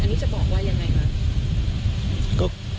อันนี้จะบอกว่ายังไงคะ